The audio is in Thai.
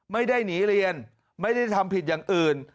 ไม่ได้หนีเรียนไม่ได้ทำผิดอย่างอื่น